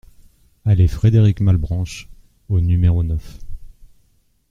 Allée Frédéric Malbranche au numéro neuf